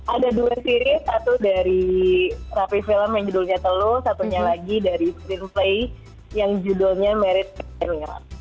ada dua series satu dari rapi film yang judulnya teluh satunya lagi dari screenplay yang judulnya married pair mirage